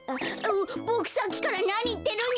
ボクさっきからなにいってるんだ。